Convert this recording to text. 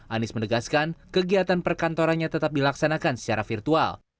anies menegaskan kegiatan perkantorannya tetap dilaksanakan secara virtual